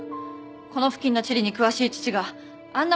この付近の地理に詳しい父があんな